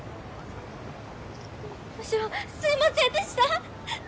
むしろすいませんでした！